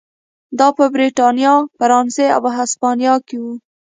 دا په برېټانیا، فرانسې او هسپانیا کې و.